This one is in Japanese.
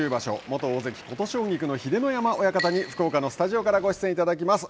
元大関・琴奨菊の秀ノ山親方に福岡のスタジオからご出演いただきます。